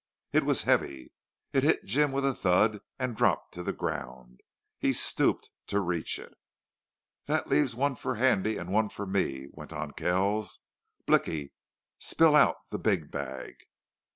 It was heavy. It hit Jim with a thud and dropped to the ground. He stooped to reach it. "That leaves one for Handy and one for me," went on Kells. "Blicky, spill out the big bag."